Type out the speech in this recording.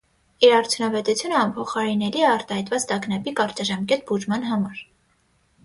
Իր արդյունավետությունը անփոխարինելի է արտահայտված տագնապի կարճաժամկետ բուժման համար։